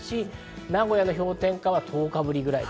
名古屋の氷点下は１０日ぶりくらい。